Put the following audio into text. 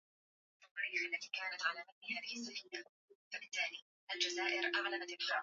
na kujadili juu ya mpango wa nchi ya iran